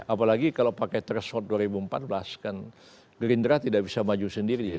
apalagi kalau pakai threshold dua ribu empat belas kan gerindra tidak bisa maju sendiri